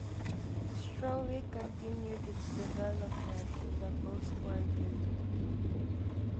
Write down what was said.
Ostrowiec continued its development in the postwar period.